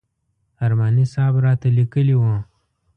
ارماني صاحب راته لیکلي و.